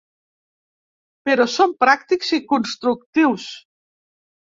Però som pràctics i constructius.